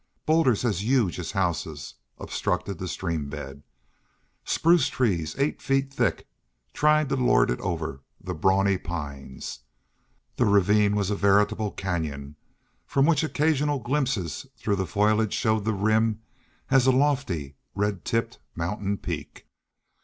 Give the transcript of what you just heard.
Bowlders as huge as houses obstructed the stream bed; spruce trees eight feet thick tried to lord it over the brawny pines; the ravine was a veritable canyon from which occasional glimpses through the foliage showed the Rim as a lofty red tipped mountain peak.